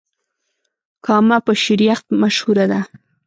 کامه په شيريخ مشهوره ده.